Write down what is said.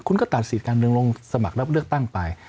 คุณก็ตัดสิทธิ์การเมืองลงสมัครรับเลือกตั้งไป